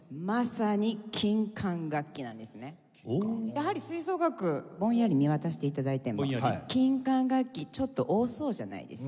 やはり吹奏楽ぼんやり見渡して頂いても金管楽器ちょっと多そうじゃないですか？